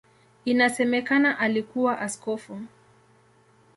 Inasemekana alikuwa askofu.